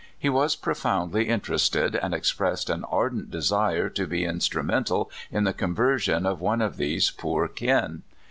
He was profoundly inter ested, and expressed an ardent desire to be instru mental in the conversion of one of these poor kin.